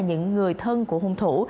những người thân của hung thủ